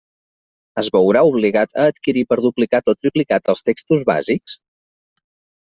Es veurà obligat a adquirir per duplicat o triplicat els textos bàsics?